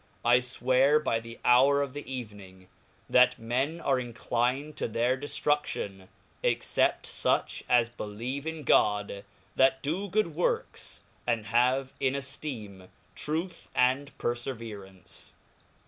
I fwear by tFthe"^^ Athe hour of the Evening; that men are inclined to their de ^ hometans to ftrudlion, except fuch as believein God, thit do good works, pray. and have in efteeme truth and perfeverance.